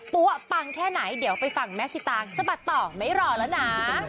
ปังแค่ไหนเดี๋ยวไปฟังแม่สิตางสะบัดต่อไม่รอแล้วนะ